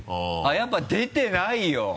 やっぱ出てないよ。